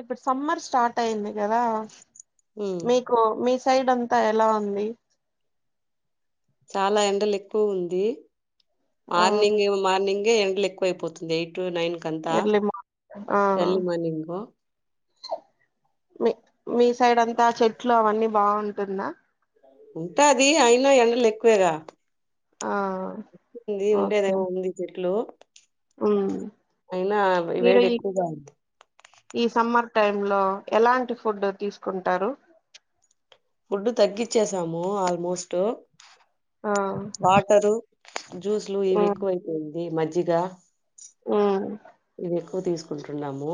ఇప్పుడు summer start అయింది గదా ఉమ్ మీకు మీస్ సైడ్ అంతా ఎలా ఉంది? చాలా ఎండలు ఎక్కువ ఉంది ఆ మార్నింగేమో మార్నింగే ఎండలు ఎక్కు వై పోతుంది ఎయిట్ టు నైన్ కంత ఎర్లీ మార్నింగ్ ఆ ఎర్లీ మార్నింగు మీ మీ సైడ్ అంతా చెట్లు అవన్నీ బావుంటుందా? ఉంటాది అయిన ఎండలు ఎక్కువేగా ఆ లీవ్ ఉండేదేమో ఉంది ఇప్పట్లో ఊమ్ మీరు వేడి ఈ ఎక్కువగా ఉంది. ఈ సమ్మర్ టైమ్ లో ఎలాంటి ఫుడ్ తీసుకుంటారు. ఫుడ్డు తగ్గిచ్చేశాము ఆల్మోస్ట్ ఆ వాటరు, జ్యూస్లు ఇవి ఎక్కువైపోయింది మజ్జిగా ఊమ్ ఇవి ఎక్కువ తీసుకుంటున్నాము.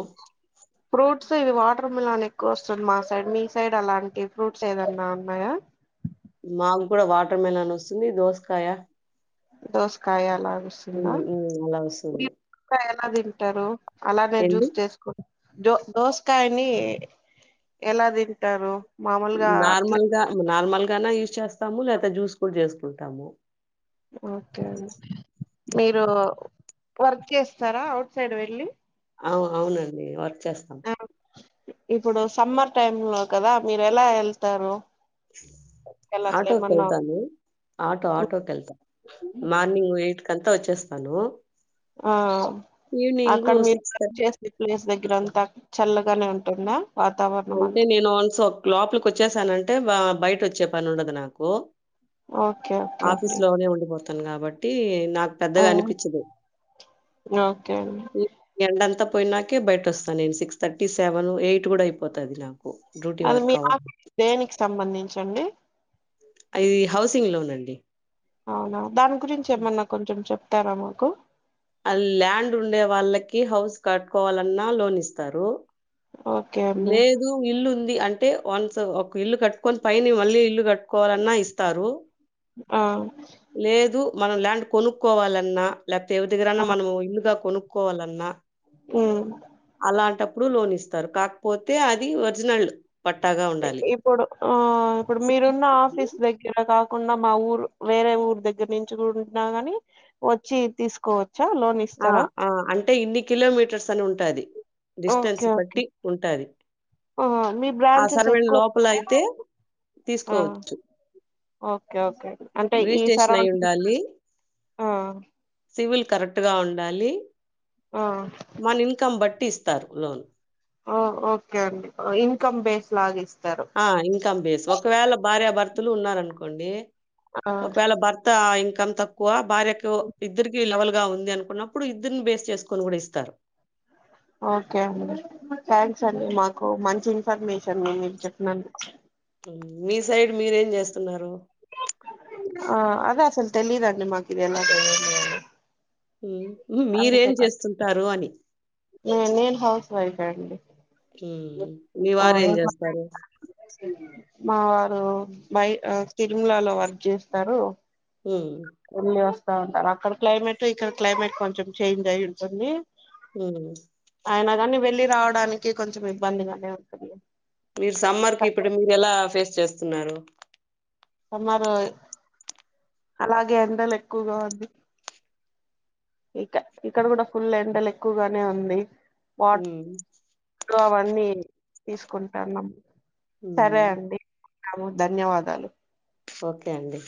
ఫ్రూట్స్ ఇవి వాటర్ మిలాన్ ఎక్కువ వస్తుంది మా సైడ్. మీ సైడ్ అలాంటి ఫ్రూట్స్ ఏదన్నా ఉన్నాయా? మాగ్గుడ వాటర్ మిలన్ వస్తుంది దోసకాయ దోసకాయ అలాగ ఉమ్ వస్తుందా? ఉమ్ అలా వస్తుంది. అలా తింటారు అలానే ఏంటి జ్యూస్ చేసుకో దో దోసకాయని ఎలా తింటారు మామూలుగా అట్లే నార్మల్ గా అన్న యూస్ చేస్తాము లేదా జ్యూస్ గూడ చేసుకుంటాము. ఓకే అండి మీరు వర్క్ చేస్తారా ఔట్ సైడ్ వెళ్ళి. అవ్ అవునండి వర్క్ చేస్తాం. ఆ, ఇప్పుడు సమ్మర్ టైమ్ లో కదా మీరు ఎలా వెళ్తారు? ఎలా హ అట్లా ఏమన్నా ఆటోకెళ్తాను ఆటో ఆటోకెళ్తా మార్నింగ్ ఎయిట్ కంతా వచ్చేస్ తాను ఆ అక్కడ మీరు వర్క్ చేసే ప్లేస్ దగ్ గ్గర అంతా చల్లగానే ఉంటుందా? వాతావరణం ఉంటే అంతా నేను వన్స్ క్ లోపలికి వచ్చేశానంటే ఆ బయట వచ్చే పని ఉండదు నాకు ఓకే ఓకే ఆఫీస్ అండి లోనే ఉండిపోతాను కాబట్టి నాకు ఆ, పెద్దగా అనిపించదు ఓకే అండి ఎండంత పోయినాకే బయట వస్తాను నేను సిక్స్ థర్టీ సెవెన్ ఎయిట్ కూడా అయిపోతది నాకు డ్యూటీ అది వర్క్ మీ అవ్వడం. ఆఫీస్ దేనికి సంబంధించండి అది హౌసింగ్ లోన్ అండి అవునా దాని గురించి ఏమన్నా కొంచెం చెప్తారా మాకు అ ల్యాండ్ ఉండే వాళ్ళకి హౌస్ కట్టుకోవాలన్నా లోన్ ఇస్తారు ఓకే అండి లేదు ఇల్లుంది అంటే వన్స్ ఒక ఇల్లు కట్టుకొని పైన మళ్ళీ ఇల్లు కట్టుకోవాలన్నా ఇస్తారు ఆ లేదు మనం ల్యాండ్ కొనుక్కోవాలన్నా లేకపోతే ఎవరి దగ్గరన్నా మనం ఇల్లుగా కొను కోవాలన్నా హ్మ్ ప్పుడు లోన్ ఇస్తారు కాకపోతే అది ఒరిజినల్ పట్టాగా ఉండాలి. ఇప్పుడు ఆ ఇప్పుడు మీరున్న ఆఫీస్ దగ్గర కాకు కున్న మా ఊరు వేరే ఊరు దగ్గర నుంచి గూడా ఉన్నా గాని వచ్చి తీసుకో చ్చ లోన్ ఇస్తారా టే ఇన్ని కిలోమీటర్స్ అని ఉంటుది డిస్టెన్స్ ఓకే ఓకే బట్టి ఉంటాది ఆ మీ ఆ బ్రాంచెస్ సరవెన్ ఎక్కువ లోపల ఉన్నాయా అయితే ఆ తీస్కోవచ్చు ఓకే ఓకే అంటే ఈ సరౌ అయ్యుండాలి. ఆ కరెక్ట్ గా ఉండాలి ఆ మన ఇన్కమ్ బట్టి ఇస్తారు లోన్ ఓ ఓకే అండి ఇన్కమ్ బేస్ లాగా ఇస్ ఆ ఇంకమ్ బేస్ ఒకవేళ భార్యభర్తలు ఉన్నారనుకోండి ఆ ఒకవేళ భర్త ఇంకమ్ తక్కువ భార్యకు ఇద్దరికి లెవెల్ గా ఉంది అనుకున్నప్పుడు ఇద్దరిని బేస్ చేసుకొని కూడా ఇస్తారు ఓకే అండి థ్యాంక్స్ హ్మ్. అండి మాకు మంచి ఇన్ఫర్మే షన్ గురించి చెప్పినందుకు మీ సైడ్ మీరేం చేస్తున్నారు ఆ అదే అసలు తెలీదండి మాకు ఇది ఎలా హ్మ్. హ్మ్. మీరేం అందుచేత చేస్తుంటారు అని? నేను హౌస్ వైఫె అండి హ్మ్ మీ ఓ వారు ఏం ఇంకా చేస్తారు మా వారు బై తిరుమలలో వర్క్ జేస్తారు హ్మ్ చవ్ తడ అక్కడ క్లైమేటు ఇక్కడ క్లైమేట్ కొంచెం చేంజ్ అయి ఉంటుంది హ్మ్. అయిన గాని వెళ్ళి రావడానికి కొంచెం ఇబ్బందిగానే ఉంటుంది మీరు సమ్మర్ కి ఇప్పుడు మీరు ఎలా ఫేస్ చేస్తున్నారు సమ్మారు అలాగే ఎండలు ఎక్కువగా ఉంది ఇక ఇక్కడ కూడా ఫుల్ ఎండలు ఎక్కువగానే ఉంది వాట్ హ్మ్. కో అవన్నీ తీసుకుంటాను సరే హ్మ్. అండి ఉంటాము ధన్యవాదాలు ఓకే అండి